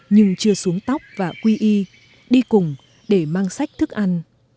nhưng chưa xuống tóc và quy y đi cùng để mang sách thức ăn